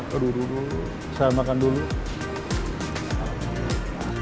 waduh saya makan dulu